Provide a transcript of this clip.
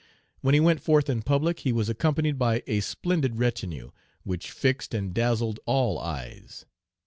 When he went forth in public, he was accompanied by a splendid retinue, which fixed and dazzled all eyes.